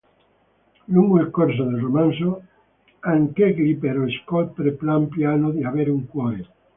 Lungo il corso del romanzo, anch'egli però scopre pian piano di avere un cuore.